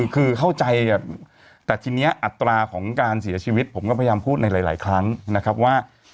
คือเข้าใจแต่ทีนี้อัตราของการเสียชีวิตผมก็พยายามพูดในหลายครั้งนะครับว่า